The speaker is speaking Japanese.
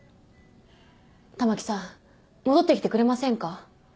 たまきさん戻ってきてくれませんか？